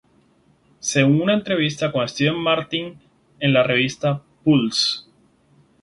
Según una entrevista con Steve Martin en la revista "Pulse!